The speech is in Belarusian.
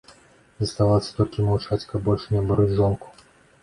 Заставалася толькі маўчаць, каб больш не абурыць жонку.